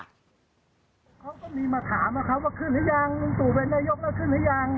เขาก็มีมาถามนะครับว่าขึ้นหรือยังลุงตู่เป็นนายกแล้วขึ้นหรือยัง